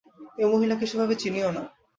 এই মহিলাকে সেভাবে চিনিও না।